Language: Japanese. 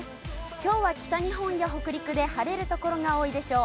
きょうは北日本や北陸で晴れる所が多いでしょう。